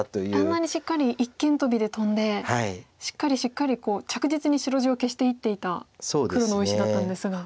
あんなにしっかり一間トビでトンでしっかりしっかり着実に白地を消していっていた黒の大石だったんですが。